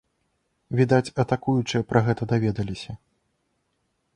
Відаць, атакуючыя пра гэта даведаліся.